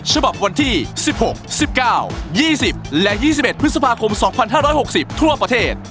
ฉบับวันที่๑๖๑๙๒๐และ๒๑พฤษภาคม๒๕๖๐ทั่วประเทศ